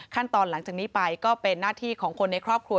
หลังจากนี้ไปก็เป็นหน้าที่ของคนในครอบครัว